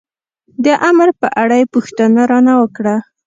د امر په اړه یې پوښتنه را نه وکړه.